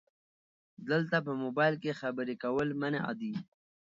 دلته په مبایل کې خبرې کول منع دي 📵